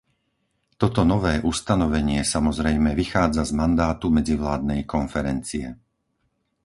Toto nové ustanovenie, samozrejme, vychádza z mandátu medzivládnej konferencie.